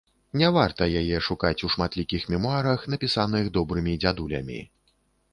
Не варта яе шукаць у шматлікіх мемуарах, напісаных добрымі дзядулямі.